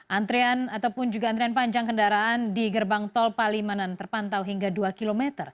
antrian ataupun juga antrian panjang kendaraan di gerbang tol palimanan terpantau hingga dua km